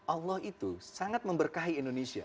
allah itu sangat memberkahi indonesia